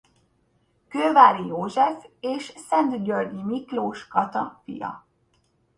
Kőváry József és Szentgyörgyi Miklós Kata fia.